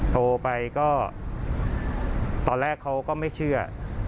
โทรไปก็ตอนแรกเขาก็ไม่เชื่อ